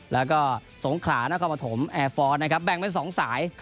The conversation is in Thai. แล้วก็สงขลานครปฐมแอร์ฟอร์สนะครับแบ่งเป็น๒สาย